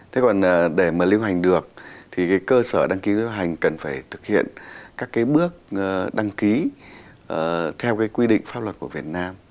thế còn để mà liên hành được thì cơ sở đăng ký liên hành cần phải thực hiện các bước đăng ký theo quy định pháp luật của việt nam